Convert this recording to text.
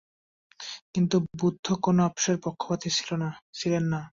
কিন্তু বুদ্ধ কোন আপসের পক্ষপাতী ছিলেন না।